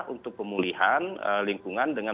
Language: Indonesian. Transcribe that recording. untuk pemulihan lingkungan dengan